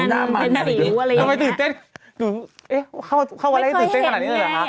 เอ๊ะเข้าอะไรให้ตื่นเต้นขนาดนี้เลยหรือคะไม่เคยเห็นไง